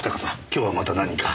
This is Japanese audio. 今日はまた何か？